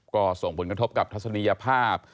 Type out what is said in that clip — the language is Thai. ก็ส่งผลกระทบกับทัศนียภาพ